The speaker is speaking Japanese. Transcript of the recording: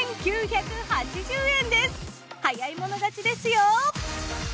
早い者勝ちですよ！